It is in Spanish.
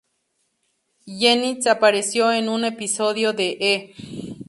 Jennings apareció en un episodio de "E!